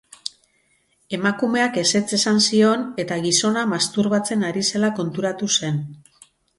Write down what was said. Emakumeak ezetz esan zion eta gizona masturbatzen ari zela konturatu zen.